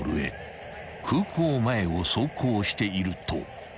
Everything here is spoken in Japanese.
［空港前を走行していると］